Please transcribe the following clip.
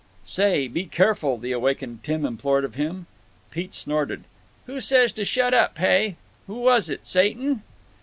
"Say, be careful!" the awakened Tim implored of him. Pete snorted: "Who says to 'shut up,' hey? Who was it, Satan?"